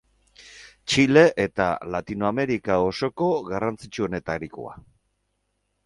Txile eta Latinoamerika osoko garrantzitsuenetarikoa.